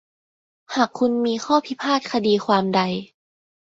หากคุณมีข้อพิพาทคดีความใด